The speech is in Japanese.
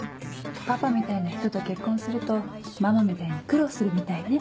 パパみたいな人と結婚するとママみたいに苦労するみたいね。